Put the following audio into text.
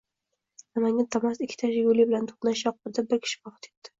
Namanganda Damas ikkita “Jiguli” bilan to‘qnashishi oqibatida bir kishi vafot etdi